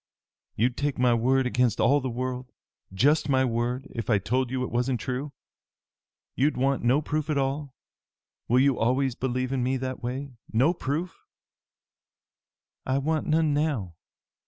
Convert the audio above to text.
"You'd take my word against all the world just my word, if I told you it wasn't true? You'd want no proof at all? Will you always believe in me in that way? No proof?" "I want none now.